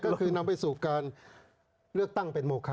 ก็คือนำไปสู่การเลือกตั้งเป็นโมคะ